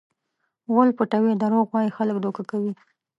غول پټوي؛ دروغ وایي؛ خلک دوکه کوي.